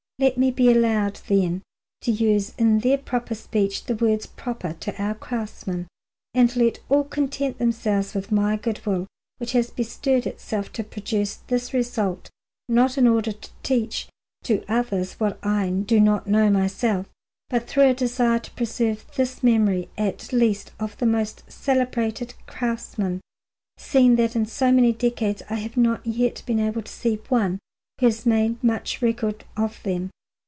Let me be allowed, then, to use in their proper speech the words proper to our craftsmen, and let all content themselves with my good will, which has bestirred itself to produce this result not in order to teach to others what I do not know myself, but through a desire to preserve this memory at least of the most celebrated craftsmen, seeing that in so many decades I have not yet been able to see one who has made much record of them.